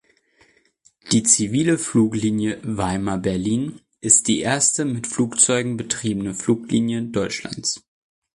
Die zivile Fluglinie Weimar–Berlin ist die erste mit Flugzeugen betriebene Fluglinie Deutschlands.